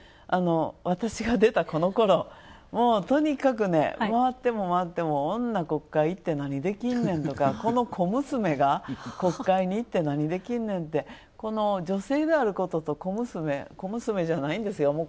私が出たこのころ、とにかく回っても女、国会いって何できんねんとか、この小娘が国会にいって何できんねん、この女性であることと、小娘じゃないんですよ。